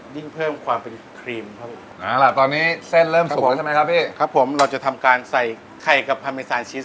ว่ามันจะยิ่งเพิ่มความเป็นครีม